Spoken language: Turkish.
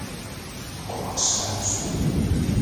Okumak ister misin?